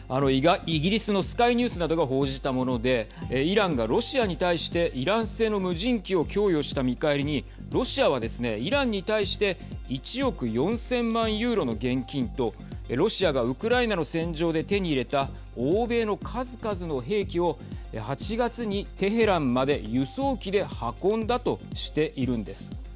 イギリスのスカイ・ニュースなどが報じたものでイランがロシアに対してイラン製の無人機を供与した見返りにロシアはですね、イランに対して１億４０００万ユーロの現金とロシアがウクライナの戦場で手に入れた欧米の数々の兵器を８月にテヘランまで輸送機で運んだとしているんです。